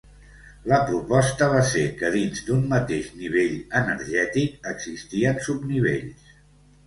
La proposta va ser que dins d'un mateix nivell energètic existien subnivells.